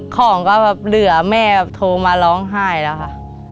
ของก็แบบเหลือแม่แบบโทรมาร้องไห้แล้วค่ะ